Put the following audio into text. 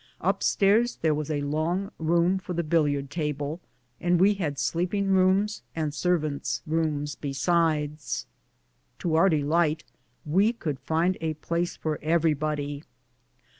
Up stairs tliere was a long room for the billiard table, and we had sleeping rooms and servant rooms be sides. To our delight, we could find a place for ever}^ body.